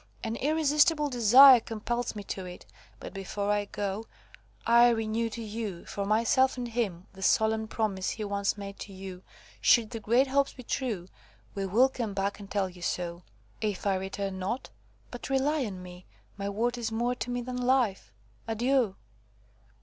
An irresistible desire compels me to it; but before I go, I renew to you–for myself and him–the solemn promise he once made to you. Should the great hopes be true, we will come back and tell you so. If I return not–but rely on me; my word is more to me than life. Adieu!"